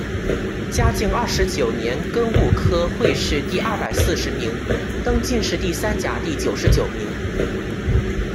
嘉靖二十九年庚戌科会试第二百四十名，登进士第三甲第九十九名。